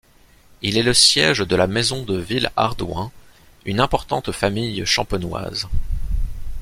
Il est le siège de la maison de Villehardouin, une importante famille champenoise.